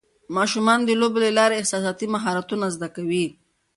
ماشومان د لوبو له لارې احساساتي مهارتونه زده کوي.